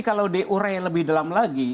kalau diurai lebih dalam lagi